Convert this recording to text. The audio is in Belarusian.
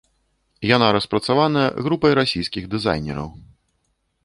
Яна распрацаваная групай расійскіх дызайнераў.